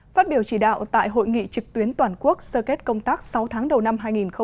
phát biểu chỉ đạo tại hội nghị trực tuyến toàn quốc sơ kết công tác sáu tháng đầu năm hai nghìn hai mươi